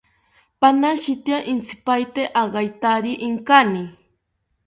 Panashitya intzipaete agaikari inkani